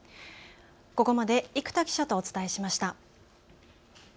ここまで生田記者とお伝えしました。